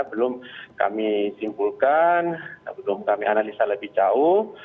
belum kami simpulkan belum kami analisa lebih jauh